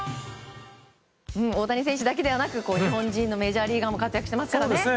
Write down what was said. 大谷選手だけではなく日本人のメジャーリーガーも活躍していますね。